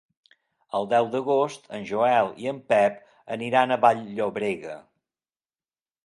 El deu d'agost en Joel i en Pep aniran a Vall-llobrega.